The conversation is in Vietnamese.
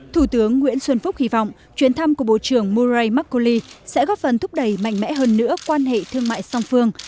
thủ tướng nguyễn xuân phúc hy vọng chuyến thăm của bộ trưởng murai marcoli sẽ góp phần thúc đẩy mạnh mẽ hơn nữa quan hệ thương mại song phương